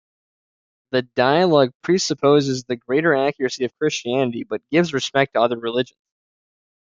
The dialog presupposes the greater accuracy of Christianity but gives respect to other religions.